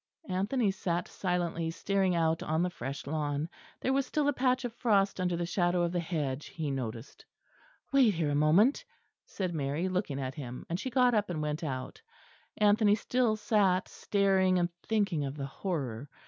Anthony sat silently staring out on the fresh lawn; there was still a patch of frost under the shadow of the hedge he noticed. "Wait here a moment," said Mary, looking at him; and she got up and went out. Anthony still sat staring and thinking of the horror.